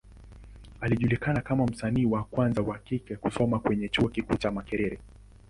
Alijulikana kama msanii wa kwanza wa kike kusoma kwenye Chuo kikuu cha Makerere.